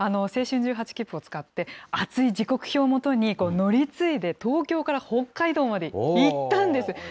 青春１８きっぷを使って、厚い時刻表をもとに乗り継いで東京から北海道まで行ったんです。